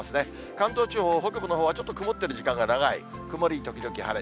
関東地方、北部のほうはちょっと曇ってる時間が長い、曇り時々晴れ。